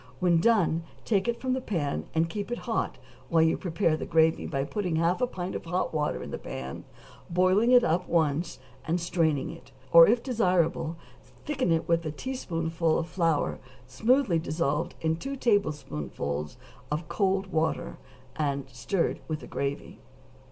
When done take it from the pan, and keep it hot while you prepare the gravy by putting half a pint of hot water in the pan, boiling it up once, and straining it; or if desirable thicken it with a teaspoonful of flour smoothly dissolved in two tablespoonfuls of cold water and stirred with the gravy.